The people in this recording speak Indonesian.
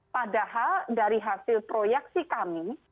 padahal dari hasil proyeksi kami